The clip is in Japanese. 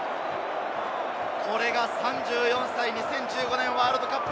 これが３４歳、２０１５年ワールドカップ